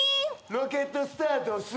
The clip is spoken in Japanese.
ロケットスタートすげえ。